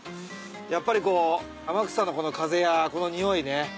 やっぱり天草のこの風やこの匂いね。